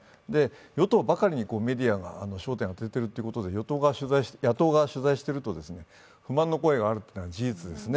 与党ばかりにメディアが焦点を当てているということで野党側を取材していると不満の声があるのは事実ですね。